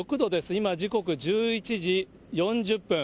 今、時刻１１時４０分。